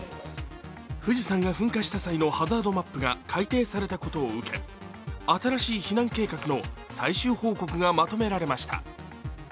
富士山が噴火した際のハザードマップが改定されたことを受け新しい避難計画の最終報告がまとめられました。